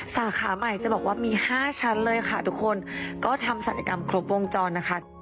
สาขาใหม่จะบอกว่ามี๕ชั้นเลยค่ะทุกคนก็ทำศัลยกรรมครบวงจรนะคะ